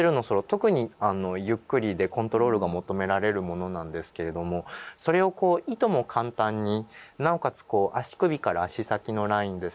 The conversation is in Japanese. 特にゆっくりでコントロールが求められるものなんですけれどもそれをこういとも簡単になおかつ足首から足先のラインですよね